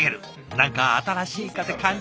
何か新しい風感じちゃう。